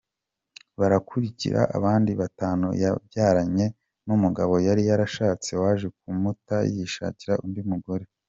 Barakurikira abandi batanu yabyaranye n’umugabo yari yarashatse waje kumuta yishakira undi mugore.